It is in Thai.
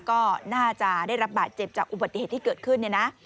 ก็น่าจะได้รับบาดเจ็บจากอุบัติเหตุที่เกิดขึ้นเนี่ยนะ